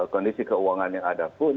kondisi keuangan yang ada pun